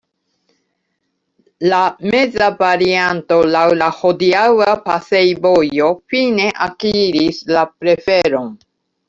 La meza varianto laŭ la hodiaŭa pasejvojo fine akiris la preferon.